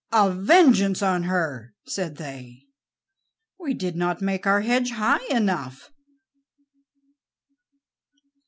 "A vengeance on her!" said they. "We did not make our hedge high enough."